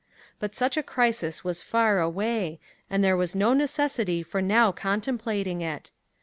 But such a crisis was far away, and there was no necessity for now contemplating it.